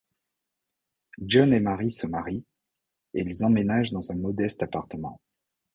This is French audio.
John et Mary se marient et ils emménagent dans un modeste appartement...